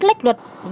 lách đoàn giao thông